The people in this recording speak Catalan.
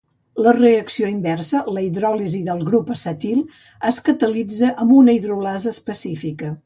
La reacció inversa, la hidròlisi del grup acetil, es catalitza amb una hidrolasa específica.